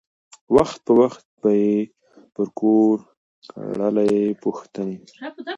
وخت په وخت به یې پر کور کړلی پوښتني